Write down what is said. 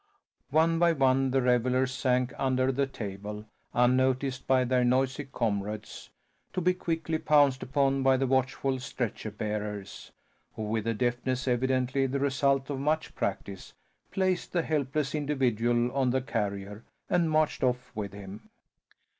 One by one the revellers sank under the table unnoticed by their noisy comrades, to be quickly pounced upon by the watchful stretcher bearers, who, with a deftness evidently the result of much practice, placed the helpless individual on the carrier and marched off with him.